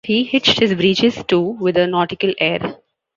He hitched his breeches, too, with a nautical air.